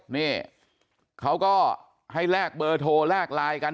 นี่เขาก็ให้แลกเบอร์โทรแลกไลน์กัน